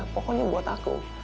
pokoknya buat aku